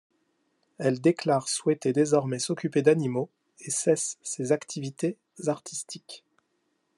Elle déclare souhaiter désormais s'occuper d'animaux, et cesse ses activités artistiques.